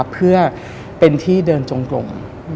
เพื่อเป็นที่เดินจงกลม